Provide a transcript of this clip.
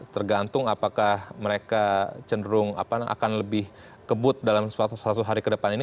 tergantung apakah mereka cenderung akan lebih kebut dalam satu hari ke depan ini